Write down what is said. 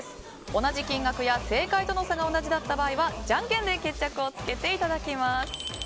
同じ金額や正解との差が同じだたった場合はじゃんけんで決着をつけていただきます。